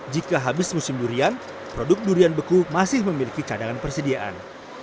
jika habis musim durian produk durian beku masih memiliki cadangan persediaan